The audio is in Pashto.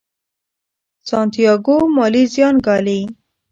سانتیاګو مالي زیان ګالي.